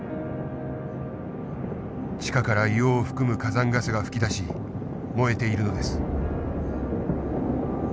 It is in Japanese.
地下から硫黄を含む火山ガスが噴き出し燃えているのです。